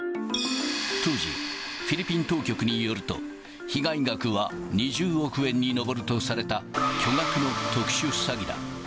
当時、フィリピン当局によると、被害額は２０億円に上るとされた巨額の特殊詐欺だ。